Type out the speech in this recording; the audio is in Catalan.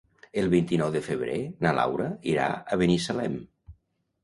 El vint-i-nou de febrer na Laura irà a Binissalem.